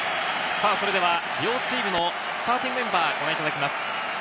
それでは両チームのスターティングメンバーをご覧いただきます。